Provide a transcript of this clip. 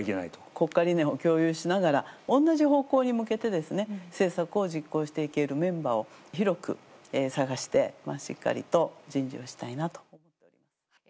国家理念を共有しながら、同じ方向に向けて政策を実行していけるメンバーを広く探して、しっかりと人事をしたいなと思っております。